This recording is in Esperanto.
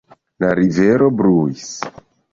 La rivero bruis.